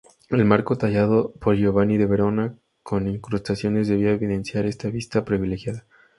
El marco tallado por Giovanni de Verona, con incrustaciones, debía evidenciar esta vista privilegiada.